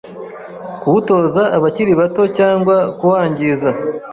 kuwutoza abakiri bato cyangwa kuwangiza